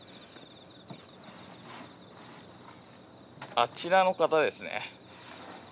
あちらの方ですね。